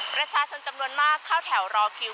ประชาชนจำนวนมากเข้าแถวรอคิว